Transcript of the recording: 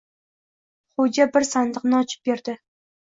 Xo‘ja bir sandiqni ochib berdi.